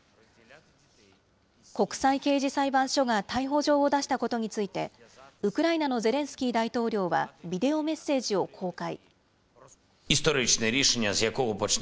国際刑事裁判所が逮捕状を出したことについてウクライナのゼレンスキー大統領はビデオメッセージを公開。